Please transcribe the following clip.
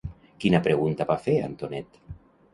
Quina pregunta va fer Antonet?